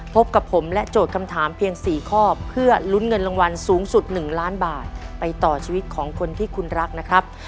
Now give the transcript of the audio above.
พบกับผมและโจทย์คำถามเพียง๔ข้อเพื่อลุ้นเงินรางวัลสูงสุด๑ล้านบาทไปต่อชีวิตของคนที่คุณรักนะครับ